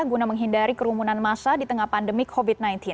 guna menghindari kerumunan masa di tengah pandemi covid sembilan belas